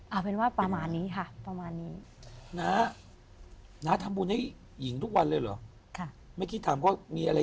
เอาเป็นว่าประมาณนี้ค่ะประมาณนี้